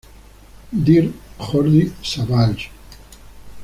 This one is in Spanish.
Dir: Jordi Savall.